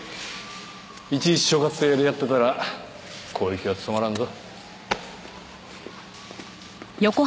いちいち所轄とやり合ってたら広域は務まらんぞ。